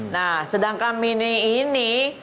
nah sedangkan mini ini